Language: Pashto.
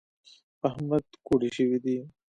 په احمد کوډي شوي دي .